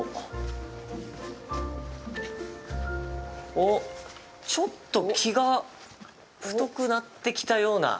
おっ、ちょっと木が太くなってきたような。